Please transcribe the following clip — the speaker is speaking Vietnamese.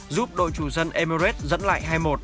giúp đội chủ dân emirates dẫn lại hai một